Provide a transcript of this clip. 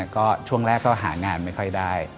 ก็ช่วงแรกก็หางานไม่ค่อยได้